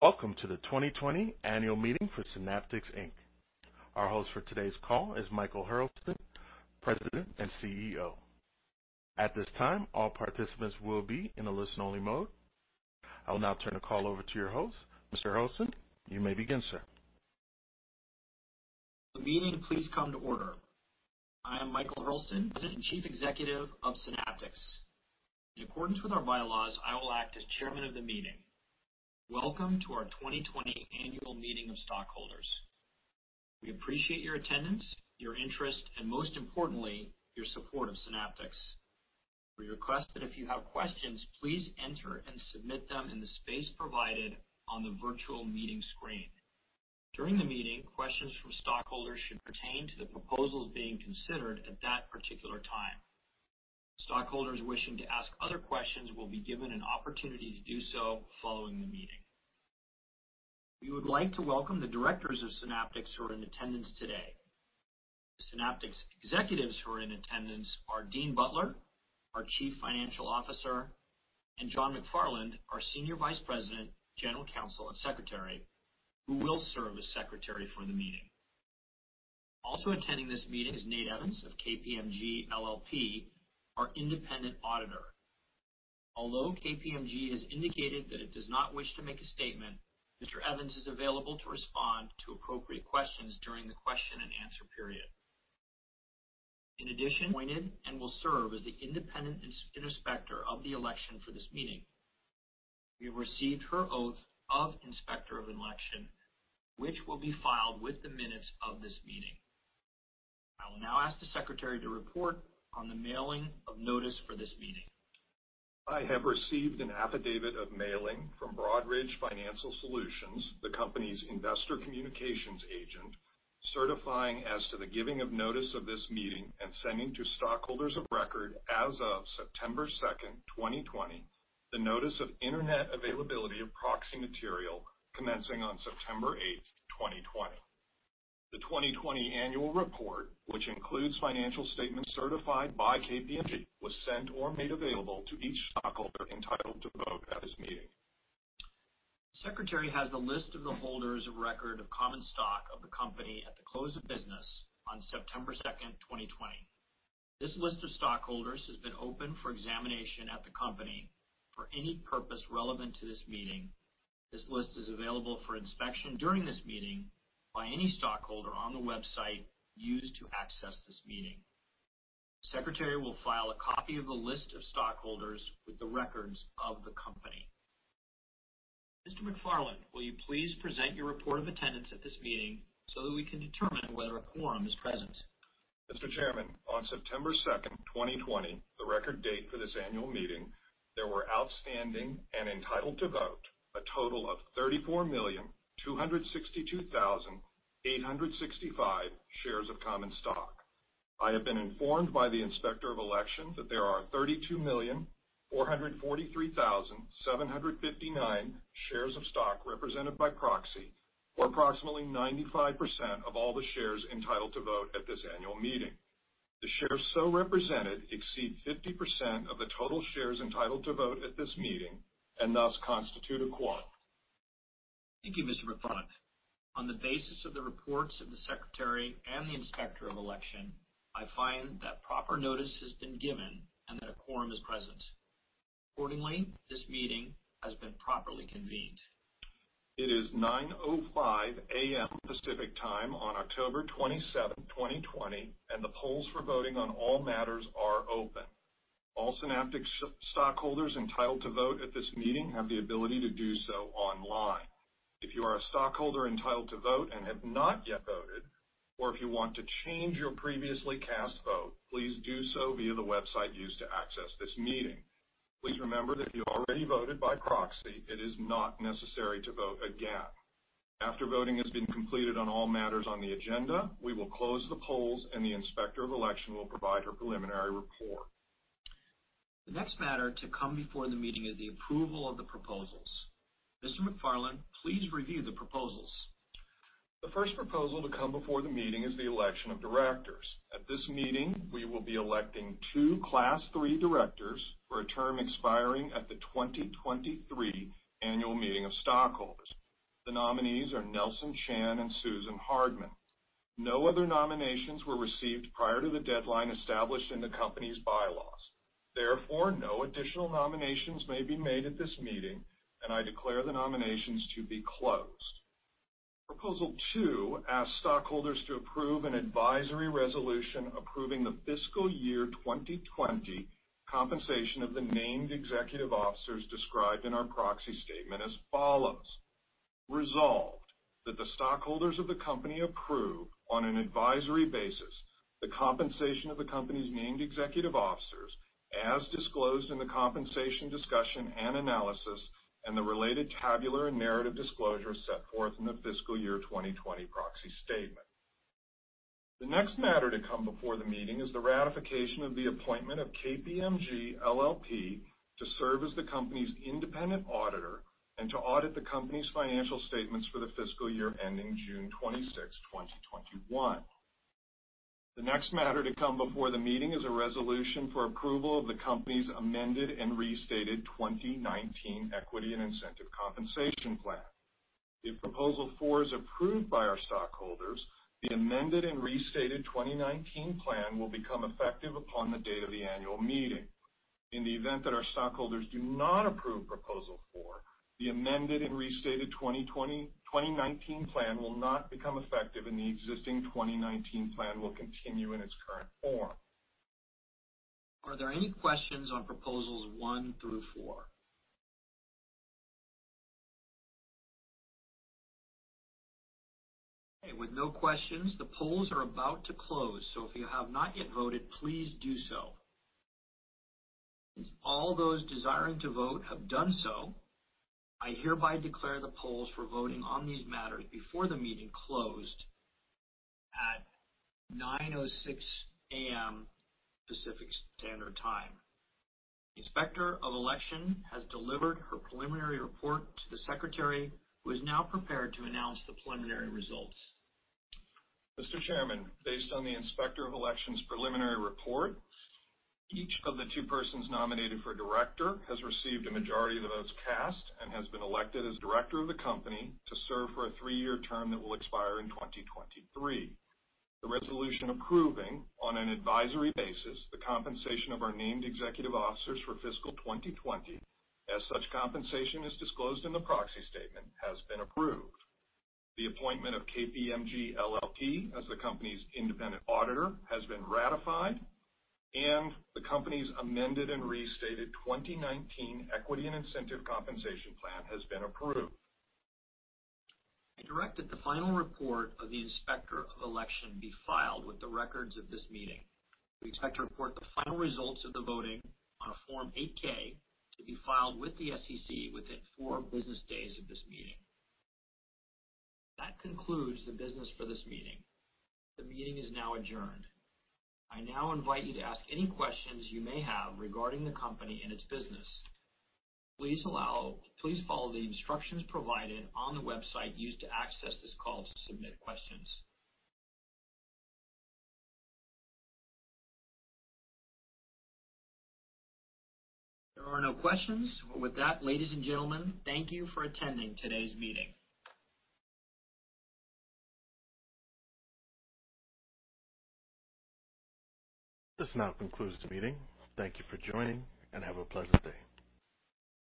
Welcome to the 2020 Annual Meeting for Synaptics, Inc. Our host for today's call is Michael Hurlston, President and CEO. At this time, all participants will be in a listen-only mode. I will now turn the call over to your host. Mr. Hurlston, you may begin, sir. The meeting, please come to order. I am Michael Hurlston, President and Chief Executive of Synaptics. In accordance with our bylaws, I will act as Chairman of the meeting. Welcome to our 2020 annual meeting of stockholders. We appreciate your attendance, your interest, and most importantly, your support of Synaptics. We request that if you have questions, please enter and submit them in the space provided on the virtual meeting screen. During the meeting, questions from stockholders should pertain to the proposals being considered at that particular time. Stockholders wishing to ask other questions will be given an opportunity to do so following the meeting. We would like to welcome the Directors of Synaptics who are in attendance today. The Synaptics Executives who are in attendance are Dean Butler, our Chief Financial Officer, and John McFarland, our Senior Vice President, General Counsel, and Secretary, who will serve as Secretary for the meeting. Also attending this meeting is Nate Evans of KPMG LLP, our independent auditor. Although KPMG has indicated that it does not wish to make a statement, Mr. Evans is available to respond to appropriate questions during the question and answer period. In addition, appointed and will serve as the independent inspector of the election for this meeting. We have received her oath of Inspector of Election, which will be filed with the minutes of this meeting. I will now ask the Secretary to report on the mailing of notice for this meeting. I have received an affidavit of mailing from Broadridge Financial Solutions, the company's investor communications agent, certifying as to the giving of notice of this meeting and sending to stockholders of record as of September 2nd, 2020, the notice of Internet availability of proxy material commencing on September 8th, 2020. The 2020 annual report, which includes financial statements certified by KPMG, was sent or made available to each stockholder entitled to vote at this meeting. Secretary has the list of the holders of record of common stock of the company at the close of business on September 2nd, 2020. This list of stockholders has been open for examination at the company for any purpose relevant to this meeting. This list is available for inspection during this meeting by any stockholder on the website used to access this meeting. Secretary will file a copy of the list of stockholders with the records of the company. Mr. McFarland, will you please present your report of attendance at this meeting so that we can determine whether a quorum is present? Mr. Chairman, on September 2nd, 2020, the record date for this annual meeting, there were outstanding and entitled to vote a total of 34,262,865 shares of common stock. I have been informed by the Inspector of Election that there are 32,443,759 shares of stock represented by proxy, or approximately 95% of all the shares entitled to vote at this Annual Meeting. The shares so represented exceed 50% of the total shares entitled to vote at this meeting and thus constitute a quorum. Thank you, Mr. McFarland. On the basis of the reports of the Secretary and the Inspector of Election, I find that proper notice has been given and that a quorum is present. Accordingly, this meeting has been properly convened. It is 9:05 A.M. Pacific Time on October 27th, 2020, and the polls for voting on all matters are open. All Synaptics stockholders entitled to vote at this meeting have the ability to do so online. If you are a stockholder entitled to vote and have not yet voted, or if you want to change your previously cast vote, please do so via the website used to access this meeting. Please remember that if you already voted by proxy, it is not necessary to vote again. After voting has been completed on all matters on the agenda, we will close the polls and the Inspector of Election will provide her preliminary report. The next matter to come before the meeting is the approval of the proposals. Mr. McFarland, please review the proposals. The first proposal to come before the meeting is the Election of Directors. At this meeting, we will be electing two Class III Directors for a term expiring at the 2023 Annual Meeting of stockholders. The nominees are Nelson Chan and Susan Hardman. No other nominations were received prior to the deadline established in the company's bylaws. Therefore, no additional nominations may be made at this meeting, and I declare the nominations to be closed. Proposal two asks stockholders to approve an advisory resolution approving the fiscal year 2020 compensation of the named executive officers described in our proxy statement as follows. Resolved, that the stockholders of the company approve, on an advisory basis, the compensation of the company's named executive officers as disclosed in the compensation discussion and analysis and the related tabular and narrative disclosure set forth in the fiscal year 2020 proxy statement. The next matter to come before the meeting is the ratification of the appointment of KPMG LLP to serve as the company's independent auditor and to audit the company's financial statements for the fiscal year ending June 26th, 2021. The next matter to come before the meeting is a resolution for approval of the company's amended and restated 2019 Equity and Incentive Compensation Plan. If proposal four is approved by our stockholders, the amended and restated 2019 Plan will become effective upon the date of the annual meeting. In the event that our stockholders do not approve proposal four, the amended and restated 2019 Plan will not become effective, and the existing 2019 Plan will continue in its current form. Are there any questions on proposals one through four? Okay, with no questions, the polls are about to close. If you have not yet voted, please do so. Since all those desiring to vote have done so, I hereby declare the polls for voting on these matters before the meeting closed at 9:06 A.M. Pacific Standard Time. Inspector of Election has delivered her preliminary report to the secretary who is now prepared to announce the preliminary results. Mr. Chairman, based on the Inspector of Election's preliminary report, each of the two persons nominated for Director has received a majority of the votes cast and has been elected as Director of the company to serve for a three-year term that will expire in 2023. The resolution approving on an advisory basis the compensation of our named Executive Officers for fiscal 2020, as such compensation is disclosed in the proxy statement, has been approved. The appointment of KPMG LLP as the company's Independent auditor has been ratified, and the company's amended and restated 2019 Equity and Incentive Compensation Plan has been approved. I direct that the final report of the Inspector of Election be filed with the records of this meeting. We expect to report the final results of the voting on a Form 8-K to be filed with the SEC within four business days of this meeting. That concludes the business for this meeting. The meeting is now adjourned. I now invite you to ask any questions you may have regarding the company and its business. Please follow the instructions provided on the website used to access this call to submit questions. There are no questions. With that, ladies and gentlemen, thank you for attending today's meeting. This now concludes the meeting. Thank you for joining, and have a pleasant day.